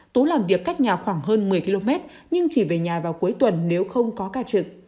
tú làm việc cách nhà khoảng hơn một mươi km nhưng chỉ về nhà vào cuối tuần nếu không có ca trực